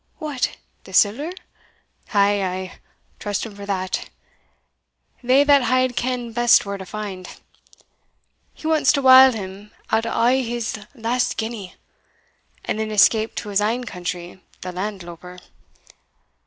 "What! the siller? Ay, ay trust him for that they that hide ken best where to find. He wants to wile him out o' his last guinea, and then escape to his ain country, the land louper.